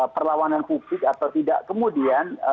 perlawanan publik atau tidak kemudian